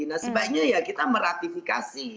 nah sebaiknya ya kita meratifikasi